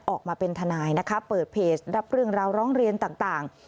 ออกมาเป็นทนายนะคะเปิดเพจรับเรื่องราวร้องเรียนต่าง